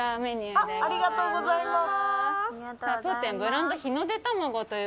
ありがとうございます。